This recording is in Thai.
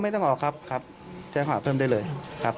ไม่ต้องออกครับแจ้งข้อหาเพิ่มได้เลยครับ